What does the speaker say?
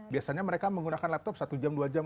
biasanya mereka menggunakan laptop satu jam dua jam